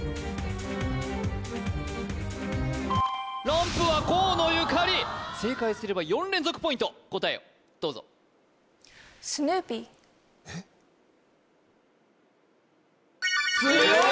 ランプは河野ゆかり正解すれば４連続ポイント答えをどうぞえっ強い！